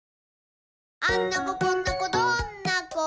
「あんな子こんな子どんな子？